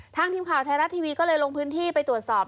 ทีมข่าวไทยรัฐทีวีก็เลยลงพื้นที่ไปตรวจสอบ